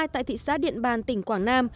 tại thị xã điện bàn tỉnh quảng nam